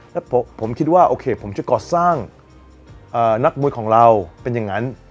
แล้วผมคิดว่าโอเคผมจะก่อสร้างนักมวยของเราเป็นอย่างนั้น